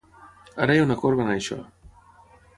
Ara hi ha una corba en això.